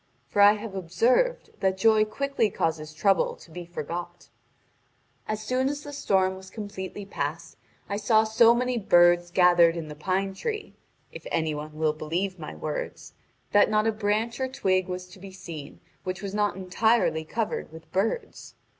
For I have observed that joy quickly causes trouble to be forgot. As soon as the storm was completely past, I saw so many birds gathered in the pine tree (if any one will believe my words) that not a branch or twig was to be seen which was not entirely covered with birds.